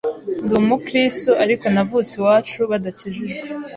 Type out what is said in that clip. ndi umukiristu ariko navutse iwacu badakijijwe